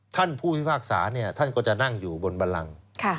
ท่านผู้พิพากษาท่านก็จะนั่งอยู่บนบันลัง